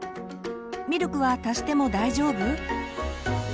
「ミルクは足しても大丈夫？」。